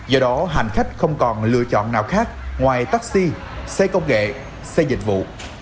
do đó hành khách không còn lựa chọn nào khác ngoài taxi xe công nghệ xe dịch vụ